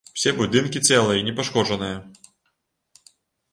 Усе будынкі цэлыя і непашкоджаныя.